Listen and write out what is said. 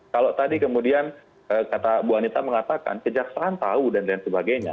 kalau tadi kemudian kata bu anita mengatakan kejaksaan tahu dan lain sebagainya